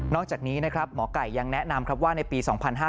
อกจากนี้นะครับหมอไก่ยังแนะนำครับว่าในปี๒๕๕๙